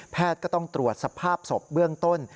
ก็ต้องตรวจสภาพศพเบื้องต้น